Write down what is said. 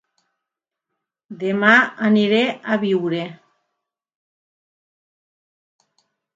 Dema aniré a Biure